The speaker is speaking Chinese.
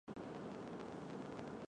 此站与桂山站之间存有急弯。